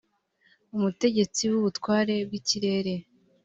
umutegetsi w ubutware bw ikirere